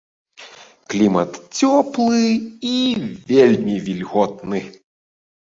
Клімат цёплы і вельмі вільготны.